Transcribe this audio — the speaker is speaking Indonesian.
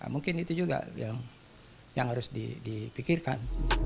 mungkin itu juga yang harus dipikirkan